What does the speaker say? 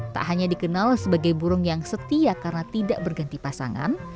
tak hanya dikenal sebagai burung yang setia karena tidak berganti pasangan